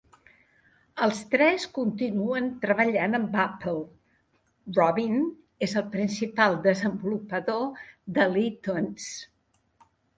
Els tres continuen treballant amb Apple; Robbin és el principal desenvolupador de l'iTunes.